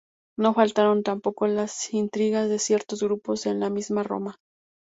No faltaron tampoco las intrigas de ciertos grupos en la misma Roma.